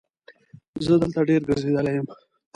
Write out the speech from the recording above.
زه دلته ډېر ګرځېدلی یم.